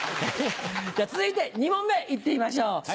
続いて２問目行ってみましょう！